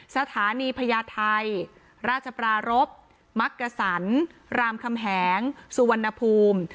สถานีพญาไทยราชปรารบมักกษันรามคำแหงสุวรรณภูมิ